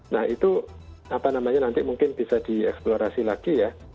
nah itu apa namanya nanti mungkin bisa dieksplorasi lagi ya